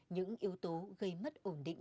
những yếu tố gây mất ổn định